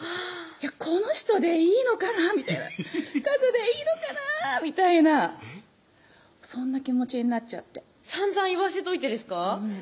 この人でいいのかなみたいなかずでいいのかなみたいなそんな気持ちになっちゃってさんざん言わせといてですか？